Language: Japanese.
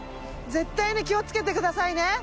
絶対に気を付けてくださいね！